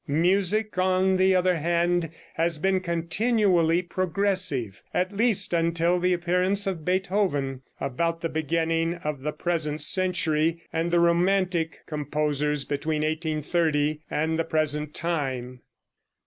Music, on the other hand, has been continually progressive, at least until the appearance of Beethoven, about the beginning of the present century, and the romantic composers between 1830 and the present time.